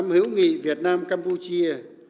năm hữu nghị việt nam campuchia